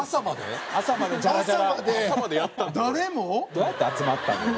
どうやって集まったんだよ。